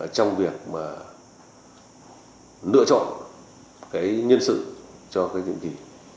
trong việc lựa chọn nhân sự cho nhiệm kỳ